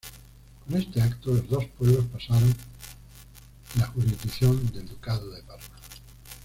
Con este acto los dos pueblos pasaron en la jurisdicción del Ducado de Parma.